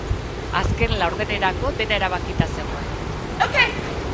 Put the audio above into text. Azken laurdenerako dena erabakita zegoen.